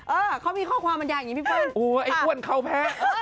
เออเขามีข้อความบัญญาณอย่างนี้พี่เปิ้ลตามมาด้วยโอ้โฮไอ้อ้วนเขาแพ้